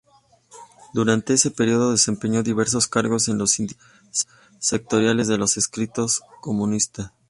Durante ese período desempeñó diversos cargos en los sindicatos sectoriales de los escritores comunistas.